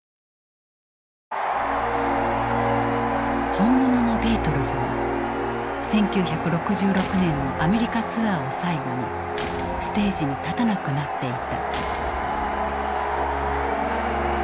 本物のビートルズは１９６６年のアメリカ・ツアーを最後にステージに立たなくなっていた。